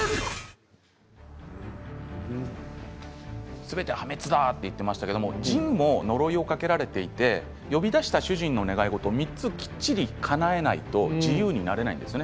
すべて破滅だと言ってましたがジンも呪いをかけられていて呼び出した主人の願い事を３つきっちりかなえないと自由になれないんですね。